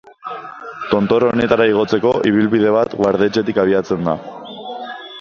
Tontor honetara igotzeko ibilbide bat, Guardetxetik abiatzen da.